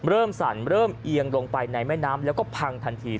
สั่นเริ่มเอียงลงไปในแม่น้ำแล้วก็พังทันที